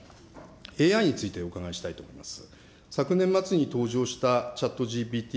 ＡＩについてお伺いしたいと思います。